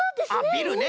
ビルね。